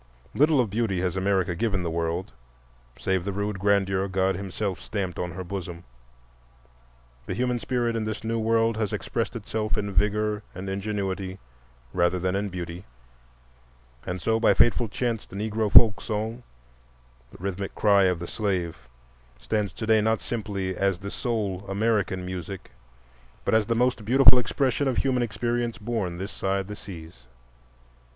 Little of beauty has America given the world save the rude grandeur God himself stamped on her bosom; the human spirit in this new world has expressed itself in vigor and ingenuity rather than in beauty. And so by fateful chance the Negro folk song—the rhythmic cry of the slave—stands to day not simply as the sole American music, but as the most beautiful expression of human experience born this side the seas.